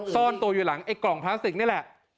ซ่อนตัวยังกร่องพลาสติกนี้แหละ